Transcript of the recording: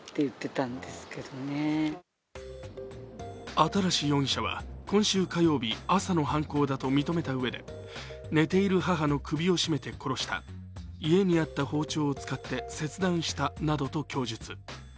新容疑者は、今週火曜日、朝の犯行だと認めたうえで寝ている母の首を絞めて殺した、家にあった包丁を使って切断したなどと供述。